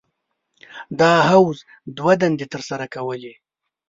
دا حوض دوه دندې تر سره کولې.